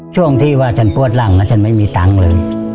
ช่วงที่ว่าฉันปวดหลังนะฉันไม่มีตังค์เลย